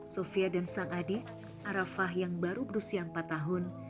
sofia dan sang adik arafah yang baru berusia empat tahun